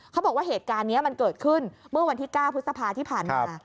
เขาบอกว่าเหตุการณ์นี้มันเกิดขึ้นเมื่อวันที่๙พฤษภาที่ผ่านมา